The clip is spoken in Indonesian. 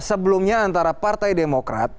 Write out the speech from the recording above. sebelumnya antara partai demokrat